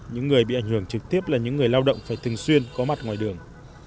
những người bị ảnh hưởng trực tiếp là những người lao động phải thường xuyên có mặt ngoài đường